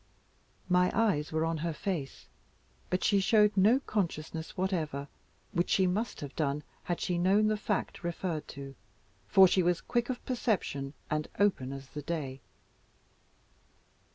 My eyes were on her face, but she showed no consciousness whatever, which she must have done had she known the fact referred to, for she was quick of perception, and open as the day.